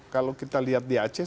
kalau kita lihat di aceh